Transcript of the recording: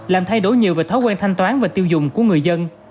làm thay đổi nhiều về thói quen thanh toán và tiêu dùng của người dân